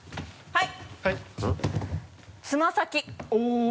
はい。